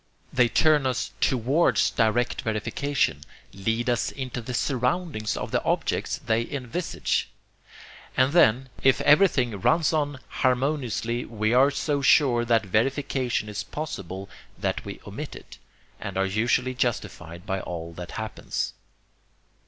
They turn us TOWARDS direct verification; lead us into the SURROUNDINGS of the objects they envisage; and then, if everything runs on harmoniously, we are so sure that verification is possible that we omit it, and are usually justified by all that happens.